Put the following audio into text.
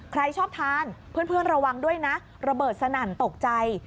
ใครชอบทานเพื่อนระวังด้วยนะระเบิดสนั่นตกใจ